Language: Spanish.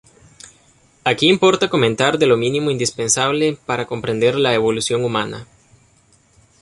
Aquí importa comentar de lo mínimo indispensable para comprender la evolución humana.